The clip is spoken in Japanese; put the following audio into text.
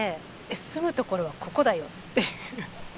住む所はここだよっていう。